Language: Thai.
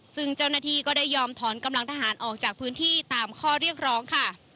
ซึ่งเจ้าหน้าที่ก็ได้ยอมถอนกำลังทหารออกจากพื้นที่ตามข้อเรียกร้องค่ะ